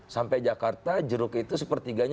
sampai jakarta jeruk itu sepertiganya